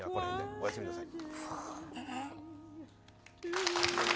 おやすみなさい。